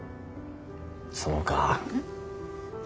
そうか。